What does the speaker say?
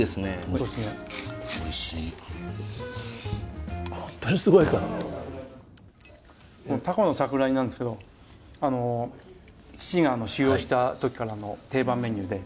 このタコの桜煮なんですけど父があの修業した時からの定番メニューで。